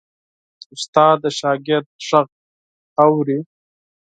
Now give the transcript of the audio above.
استاد د شاګرد غږ اوري.